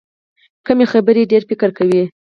کمې خبرې، ډېر فکر کوي.